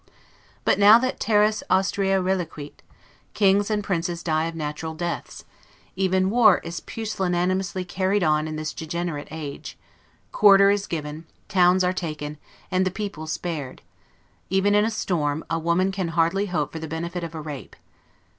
But now that 'terras Astraea reliquit', kings and princes die of natural deaths; even war is pusillanimously carried on in this degenerate age; quarter is given; towns are taken, and the people spared: even in a storm, a woman can hardly hope for the benefit of a rape.